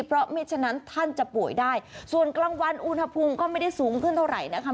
เพราะไม่ฉะนั้นท่านจะป่วยได้ส่วนกลางวันอุณหภูมิก็ไม่ได้สูงขึ้นเท่าไหร่นะคะ